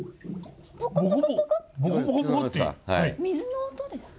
水の音ですか？